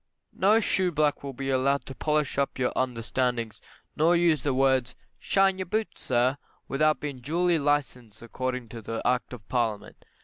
No shoeblack will be allowed to polish up your understandings, nor use the words, "shine your boots, sir," without being duly licensed according to Act of Parliament.